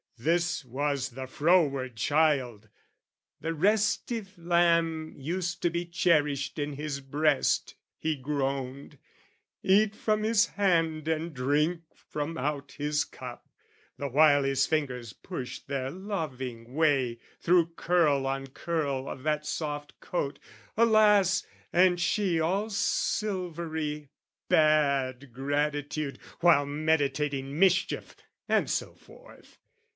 This was the froward child, "the restif lamb "Used to be cherished in his breast," he groaned "Eat from his hand and drink from out his cup, "The while his fingers pushed their loving way "Through curl on curl of that soft coat alas, "And she all silverly baaed gratitude "While meditating mischief!" and so forth.